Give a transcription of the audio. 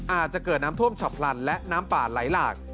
อาจจะเกิดน้ำท่วมฉับพลันและน้ำป่าไหลหลาก